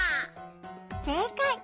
せいかい！